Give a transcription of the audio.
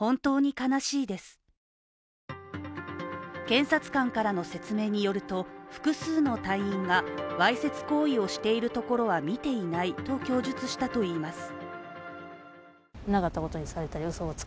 検察官からの説明によると複数の隊員がわいせつ行為をしているところは見ていないと供述したといいます。